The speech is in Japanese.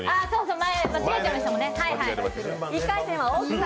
前、間違えちゃいましたもんね、はいはい。